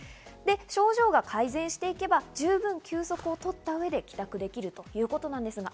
症状が改善していけば、十分休息をとった上で帰宅できるということです。